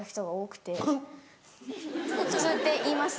「普通」って言います？